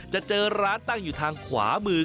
จะเจอร้านตั้งอยู่ทางขวามือ